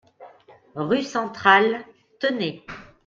Rue Centrale, Tenay